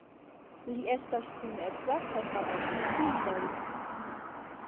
Li estas kunedza kaj havas du filinojn.